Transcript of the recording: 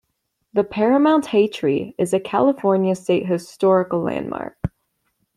The Paramount Hay Tree is a California State Historical Landmark.